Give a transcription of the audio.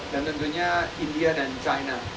dan tentunya india dan china